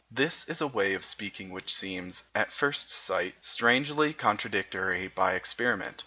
This is a way of speaking which seems, at first sight, strangely contradicted by experiment.